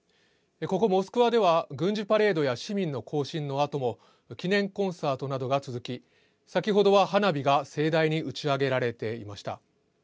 ここ、モスクワでは軍事パレードや市民の行進のあとも記念コンサートなどが続き、先ほどは花火が盛大に打ち上げられていました。